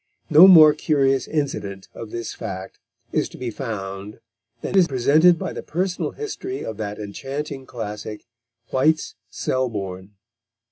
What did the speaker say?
No more curious incident of this fact is to be found than is presented by the personal history of that enchanting classic, White's Selborne.